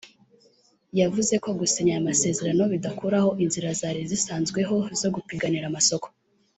yavuze ko gusinya aya amasezerano bidakuraho inzira zari zisanzweho zo gupiganira amasoko